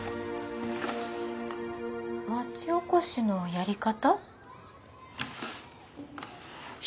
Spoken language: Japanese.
町おこしのやり方？